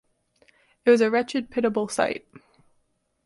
It was a wretched, pitiable sight.